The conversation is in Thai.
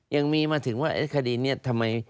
ยังมีมาถึงว่าไอ้คดีเนี่ยทำไม